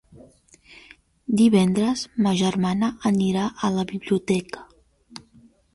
Divendres ma germana anirà a la biblioteca.